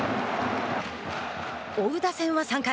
追う打線は３回、